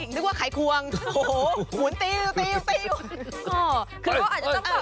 สปิงนึกว่าไขควง